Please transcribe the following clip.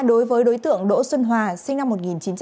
đối với đối tượng đỗ xuân hòa sinh năm một nghìn chín trăm bảy mươi sáu